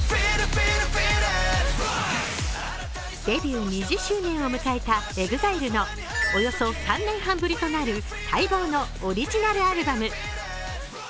デビュー２０周年を迎えたＥＸＩＬＥのおよそ３年半ぶりとなる待望のオリジナルアルバム。